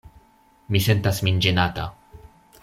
Mi sentas min ĝenata.